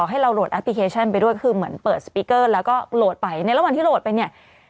เขาก็จำไปได้นะ